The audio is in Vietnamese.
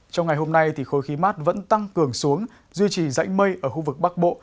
trong ngày hôm nay khối khí mát vẫn tăng cường xuống duy trì dãnh mây ở khu vực bắc bộ